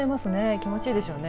気持ちいいでしょうね。